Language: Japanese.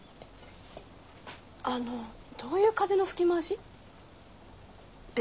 あのどういう風の吹き回し？え？